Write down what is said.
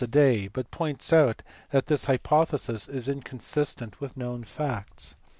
a day, but points out that this hypothesis is inconsistent with known facts.